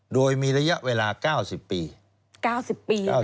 โดยมีระยะเกินมาจากรัฐบาลลาว